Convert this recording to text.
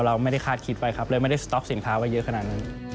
เราไม่ได้คาดคิดไว้ครับเลยไม่ได้สต๊อกสินค้าไว้เยอะขนาดนั้น